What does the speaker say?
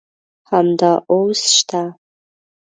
همدا اوس شته.